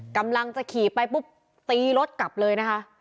กำลังจะขี่ไปปุ๊บตีรถกลับเลยนะคะ